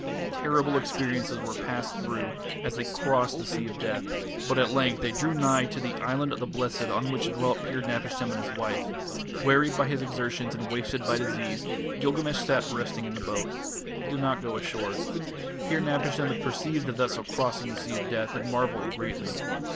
Terrible experiences were passed through as they crossed the Sea of Death, but at length they drew nigh to the "Island of the Blessed" on which dwelt Pir napishtim and his wife. Wearied by his exertions and wasted by disease, Gilgamesh sat resting in the boat. He did not go ashore. Pir napishtim had perceived the vessel crossing the Sea of Death and marvelled greatly.